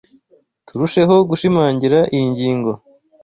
Turusheho gushimangira iyi ngingo